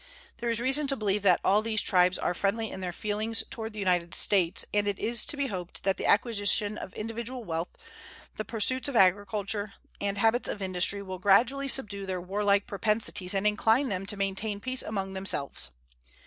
There is reason to believe that all these tribes are friendly in their feelings toward the United States; and it is to be hoped that the acquisition of individual wealth, the pursuits of agriculture, and habits of industry will gradually subdue their warlike propensities and incline them to maintain peace among themselves.